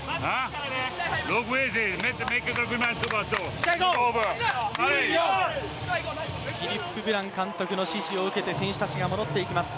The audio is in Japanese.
フィリップ・ブラン監督の指示を受けて選手たちが戻っていきます。